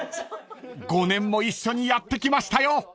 ［５年も一緒にやってきましたよ！］